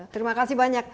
terima kasih banyak